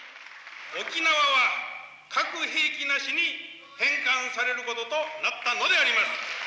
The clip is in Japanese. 沖縄は核兵器なしに返還されることとなったのであります。